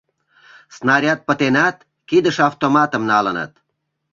Снаряд пытенат, кидыш автоматым налыныт.